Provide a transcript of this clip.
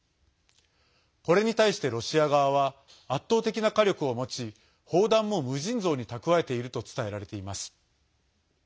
これに対して、ロシア側は圧倒的な火力を持ち砲弾も無尽蔵に蓄えていると伝えられています。